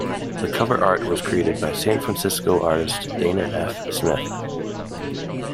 The cover art was created by San Francisco artist Dana F. Smith.